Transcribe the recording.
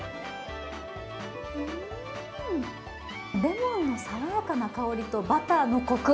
レモンの爽やかな香りとバターのコク。